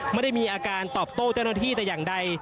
ไม่ได้มีอาการตอบโต้เจ้าหน้าที่แต่อย่างใด